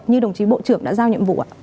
như đồng chí bộ trưởng đã giao nhiệm vụ